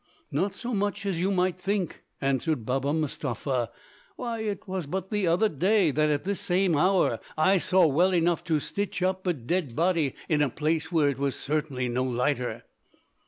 "Not so much as you might think," answered Baba Mustapha. "Why, it was but the other day that at this same hour I saw well enough to stitch up a dead body in a place where it was certainly no lighter."